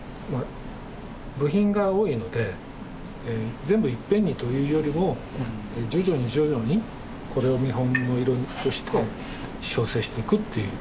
部品が多いので全部いっぺんにというよりも徐々に徐々にこれを見本の色みとして調整していくという。